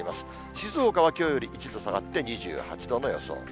静岡はきょうより１度下がって２８度の予想。